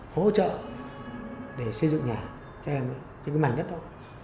hỗ trợ để xây dựng nhà cho em trên cái mảnh đất đó